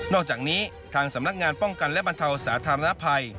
อกจากนี้ทางสำนักงานป้องกันและบรรเทาสาธารณภัย